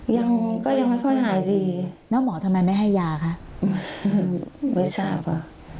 ยังก็ยังไม่ค่อยหายดีแล้วหมอทำไมไม่ให้ยาคะไม่ทราบค่ะ